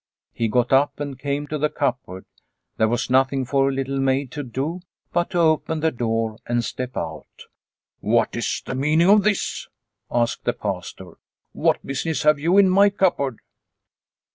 He got up and came to the cupboard. There was nothing for Little Maid to do but to open the door and step out. " What is the meaning of this ?" asked the Pastor. ' What business have you in my cupboard